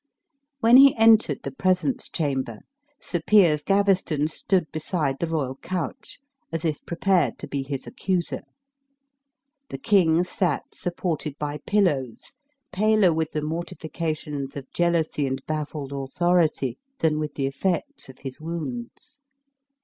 When he entered the presence chamber, Sir Piers Gaveston stood beside the royal couch, as if prepared to be his accuser. The king sat supported by pillows, paler with the mortifications of jealousy and baffled authority than from the effects of his wounds.